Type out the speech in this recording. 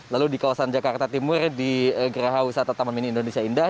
lalu di kawasan jakarta timur di geraha wisata taman mini indonesia indah